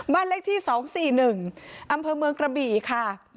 บ้านเลขที่๒๔๑อำเภอเมืองกระบี่ค่ะ